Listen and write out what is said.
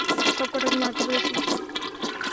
সবকটাকে মারতে পেরেছি?